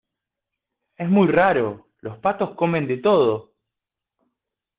es muy raro, los patos comen de todo